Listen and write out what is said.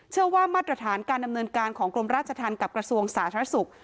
มาตรฐานการดำเนินการของกรมราชธรรมกับกระทรวงสาธารณสุข